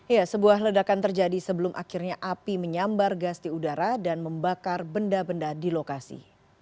ya sebuah ledakan terjadi sebelum akhirnya api menyambar gas di udara dan membakar benda benda di lokasi